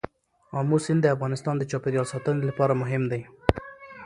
آمو سیند د افغانستان د چاپیریال ساتنې لپاره مهم دی.